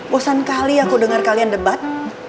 bosan kali aku dengar kalian debat